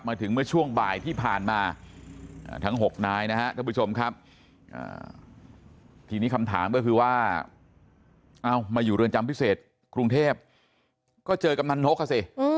มาถึงเมื่อช่วงบ่ายที่ผ่านมาทั้ง๖นายนะฮะท่านผู้ชมครับทีนี้คำถามก็คือว่ามาอยู่เรือนจำพิเศษกรุงเทพก็เจอกำนันนกอ่ะสิ